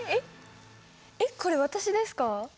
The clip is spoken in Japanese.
えっこれ私ですか？